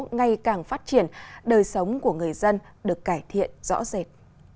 ngày càng phát triển đời sống của người dân được cải thiện rõ rệt